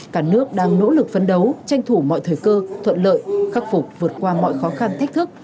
cả nước đang nỗ lực phấn đấu tranh thủ mọi thời cơ thuận lợi khắc phục vượt qua mọi khó khăn thách thức